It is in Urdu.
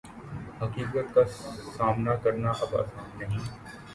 حقیقت کا سامنا کرنا اب آسان نہیں